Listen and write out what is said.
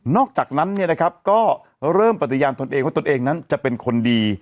อกจากนั้นก็เริ่มปฏิญาณตนเองว่าตนเองนั้นจะเป็นคนดี